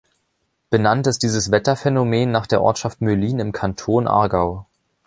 Benannt ist dieses Wetterphänomen nach der Ortschaft Möhlin im Kanton Aargau.